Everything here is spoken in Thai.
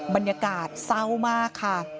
บรรยากาศเศร้ามากค่ะ